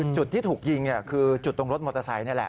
จุดที่ถูกยิงคือจุดตรงรถมอเตอร์ไซค์นี่แหละ